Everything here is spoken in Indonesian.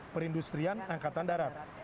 perindustrian angkatan darat